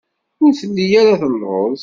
Ur telli ara telluẓ.